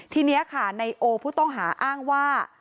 ทีนี้ค่ะในโอผู้ต้องหาอ้างว่า